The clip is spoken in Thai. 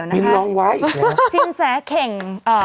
เดี๋ยวนะคะซิ้นแสเข่งมิลลองไว้อีกแล้ว